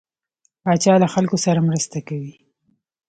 پاچا له خلکو سره مرسته کوي.